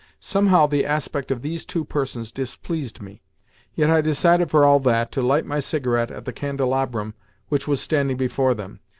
Somehow the aspect of these two persons displeased me; yet I decided, for all that, to light my cigarette at the candelabrum which was standing before them.